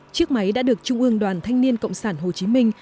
chiếc máy đã được trung ương đoàn thanh niên cộng sản hồ chí minh